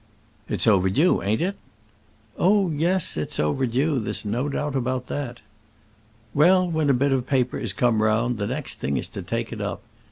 "It's overdue; ain't it?" "Oh, yes; it's overdue. There's no doubt about that." "Well; when a bit of paper is come round, the next thing is to take it up.